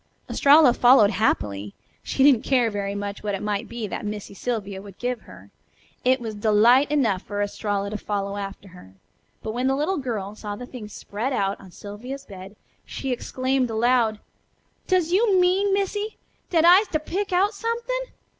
Estralla followed happily. She didn't care very much what it might be that Missy Sylvia would give her, it was delight enough for Estralla to follow after her. But when the little girl saw the things spread out on Sylvia's bed she exclaimed aloud: "Does you mean, Missy, dat I'se to pick out somethin'?